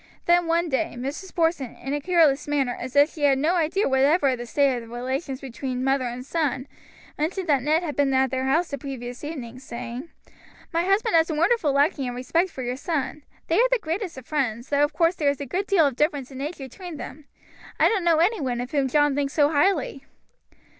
Then one day Mrs. Porson, in a careless manner, as if she had no idea whatever of the state of the relations between mother and son, mentioned that Ned had been at their house the previous evening, saying: "My husband has a wonderful liking and respect for your son; they are the greatest friends, though of course there is a good deal of difference in age between them. I don't know any one of whom John thinks so highly."